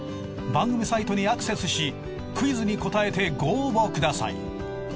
番組サイトにアクセスしクイズに答えてご応募ください。